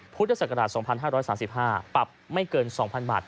พุทธศักราช๒๕๓๕ปรับไม่เกิน๒๐๐๐บาท